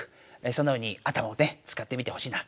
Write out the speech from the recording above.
そのように頭をね使ってみてほしいな。